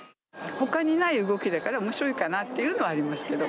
ほかにない動きだから、おもしろいかなっていうのはありますけど。